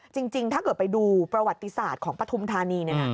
จริงถ้าเกิดไปดูประวัติศาสตร์ของปฐุมธานี